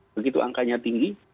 begitu angkanya tinggi